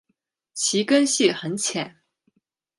其根系很浅。